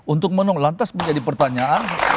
untuk menunggulantas menjadi pertanyaan